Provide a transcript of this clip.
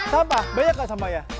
sampah banyak nggak sampah ya